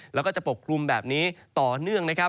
แล้วก็จะปกคลุมแบบนี้ต่อเนื่องนะครับ